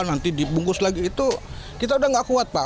nanti dibungkus lagi itu kita udah gak kuat pak